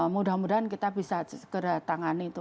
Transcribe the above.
mudah mudahan kita bisa segera tangani itu